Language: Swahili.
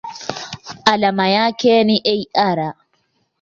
Alama yake ni Ar.